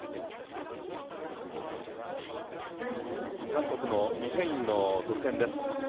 韓国のイ・ヘインの得点です。